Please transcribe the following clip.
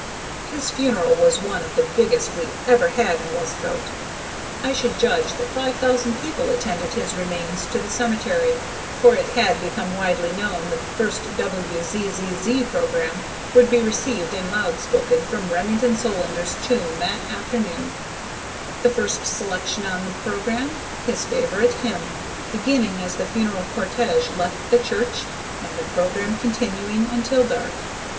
His funeral was one of the biggest we ever had in Westcote. I should judge that five thousand people attended his remains to the cemetery, for it had become widely known that the first WZZZ program would be received and loud spoken from Remington Solander's tomb that afternoon, the first selection on the program his favorite hymn beginning as the funeral cortege left the church and the program continuing until dark.